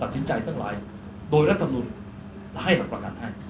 ตัดสินใจทั้งหลายโดยรัฐรุนและให้รับประกันให้